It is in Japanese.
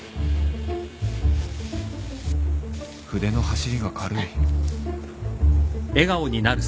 筆の走りが軽い